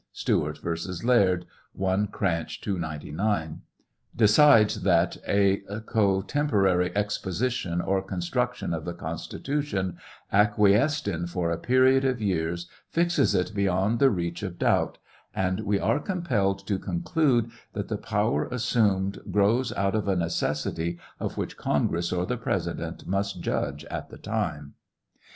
Stewart vs. Laird, (1 Cranch, 299,) decides that " a cotemporary exposition or construction of the Constitution acquiesced in for a period of years fixes it beyond the reach of doubt," and we are compelled to conclude that the power assumed grows out of a necessity of which Congress or the President must judge at the time.